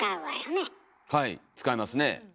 はい使いますね。